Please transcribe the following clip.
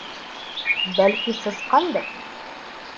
Бәлки, сысҡандыр?..